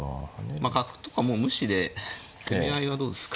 まあ角とかもう無視で攻め合いはどうですか。